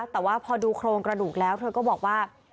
แต่ว่าพอดูโครงกระดูกแล้วเธอก็บอกว่า